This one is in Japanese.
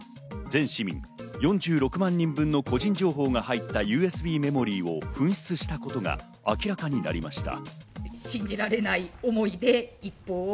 全市民４６万人分の個人情報が入ったＵＳＢメモリーを紛失したことが明らかになりました。